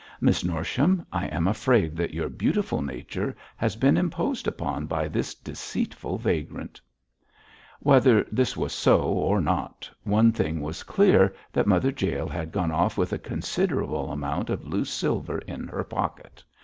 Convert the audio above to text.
Miss Norsham, I am afraid that your beautiful nature has been imposed upon by this deceitful vagrant.' Whether this was so or not, one thing was clear that Mother Jael had gone off with a considerable amount of loose silver in her pocket.